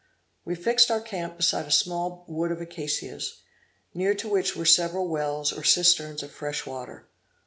We fixed our camp beside a small wood of acacias, near to which were several wells or cisterns of fresh water.